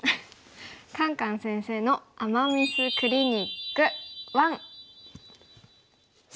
「カンカン先生の“アマ・ミス”クリニック１」。